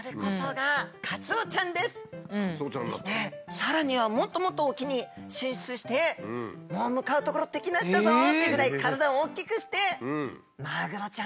さらにはもっともっと沖に進出してもう向かうところ敵なしだぞっていうぐらい体を大きくしてマグロちゃんですね。